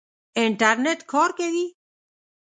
انټرنېټ کار کوي؟